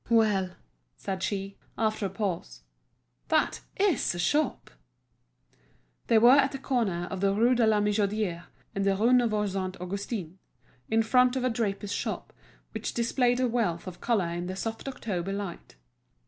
"Well," said she, after a pause, "that is a shop!" They were at the corner of the Rue de la Michodière and the Rue Neuve Saint Augustin, in front of a draper's shop, which displayed a wealth of colour in the soft October light.